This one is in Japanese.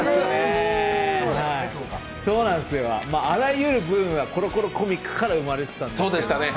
あらゆるブームは「コロコロコミック」から生まれてたんです。